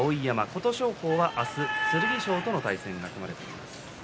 琴勝峰は明日、剣翔との対戦が組まれています。